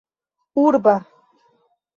urba